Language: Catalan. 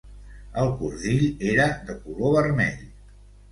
El cordill era de color vermell.